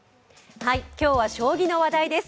今日は将棋の話題です。